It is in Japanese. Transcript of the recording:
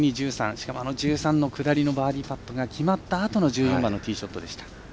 しかも１３の下りのバーディーパットが決まったあとの１４番のティーショットでした。